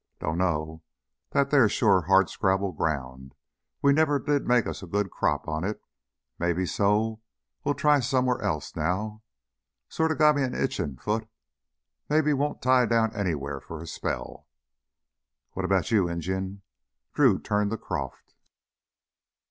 Dunno, that theah's sure hard scrabble ground; we never did make us a good crop on it. Maybe so, we'll try somewheah's else now. Sorta got me an itchin' foot. Maybe won't tie down anywheah for a spell." "What about you, Injun?" Drew turned to Croff.